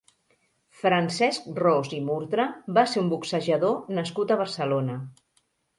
Francesc Ros i Murtra va ser un boxejador nascut a Barcelona.